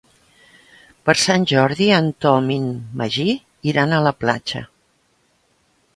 Per Sant Jordi en Tom i en Magí iran a la platja.